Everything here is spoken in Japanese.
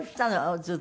ずっと。